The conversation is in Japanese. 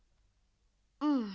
うん。